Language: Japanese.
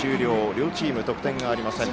両チーム、得点がありません。